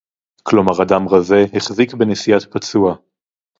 כלומר אדם רזה החזיק בנשיאת פצוע